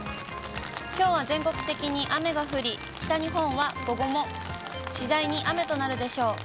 きょうは全国的に雨が降り、北日本は午後も次第に雨となるでしょう。